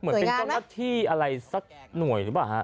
เหมือนเป็นเจ้าหน้าที่อะไรสักหน่วยหรือเปล่าฮะ